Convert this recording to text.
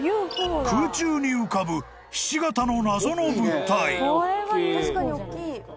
［空中に浮かぶひし形の謎の物体］